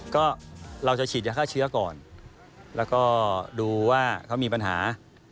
ก็เราจะฉีดยาฆ่าเชื้อก่อนแล้วก็ดูว่าเขามีปัญหา